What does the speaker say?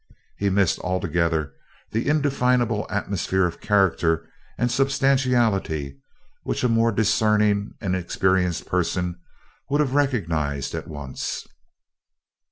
He missed altogether the indefinable atmosphere of character and substantiality which a more discerning and experienced person would have recognized at once.